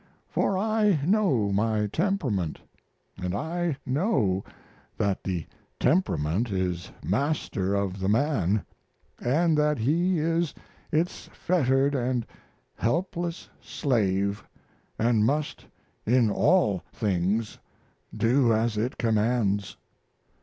For I know my temperament. And I know that the temperament is master of the man, and that he is its fettered and helpless slave and must in all things do as it commands.